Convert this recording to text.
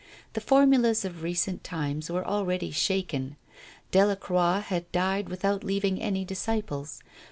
The formulas of recent times were already shaken. Delacroix had died without leaving any disciples.